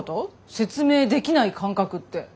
説明できない感覚って。